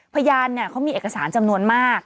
พยานเขามีเอกสารจำนวนมาก